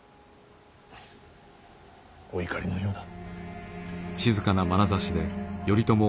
お怒りのようだ。